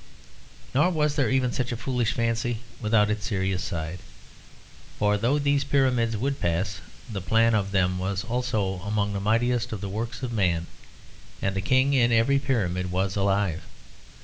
Nor was even such a foolish fancy without its serious side; for though these pyramids would pass, the plan of them was also among the mightiest of the works of man; and the king in every pyramid was alive.